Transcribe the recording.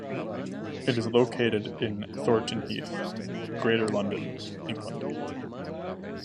It is located in Thornton Heath, Greater London, England.